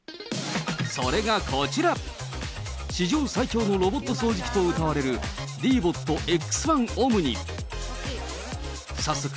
それがこちら、史上最強のロボット掃除機とうたわれるディーボットＸ１オムニ。